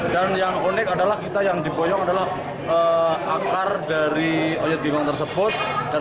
dan yang unik adalah kita yang diboyong adalah akar dari oyot genggong tersebut dan